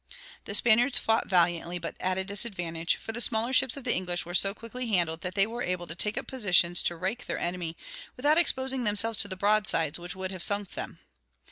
The Spaniards fought valiantly, but at a disadvantage, for the smaller ships of the English were so quickly handled that they were able to take up positions to rake their enemy, without exposing themselves to the broadsides which would have sunk them.